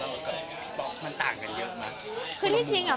ใครมาดูซิได้ดีครับ